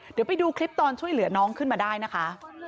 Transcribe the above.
เดี๋ยวไปดูคลิปตอนช่วยเหลือน้องขึ้นมาได้นะคะ